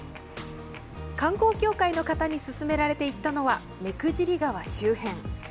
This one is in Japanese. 観光協会の方に勧められて行ったのは目久尻川周辺。